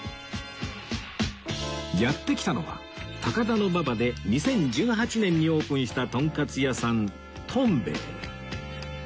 やって来たのは高田馬場で２０１８年にオープンしたとんかつ屋さんとん米